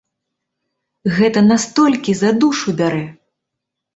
Гэта настолькі за душу бярэ!